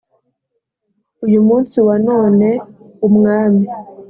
uyu munsi wa none umwami